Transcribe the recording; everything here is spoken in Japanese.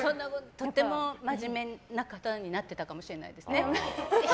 とてもまじめな方になってたかもしれないですね。